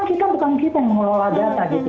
kita mengelola data gitu